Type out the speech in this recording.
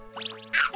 あっ。